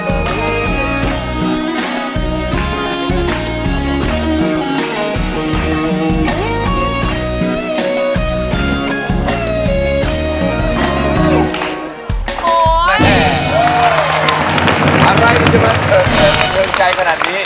สำคัญที่เจอเงินใจขนาดนี้